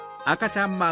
あかちゃん